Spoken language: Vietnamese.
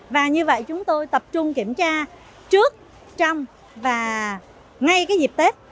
và như vậy chúng tôi tập trung kiểm tra trước trong và ngay cái dịp tết